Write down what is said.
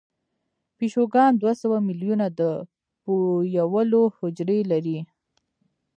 پیشوګان دوه سوه میلیونه د بویولو حجرې لري.